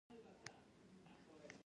د جګړې پرمهال دې مسئلې ته ډېر پام کېده